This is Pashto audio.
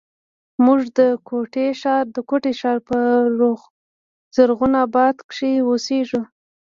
موږ د کوټي ښار په زرغون آباد کښې اوسېږو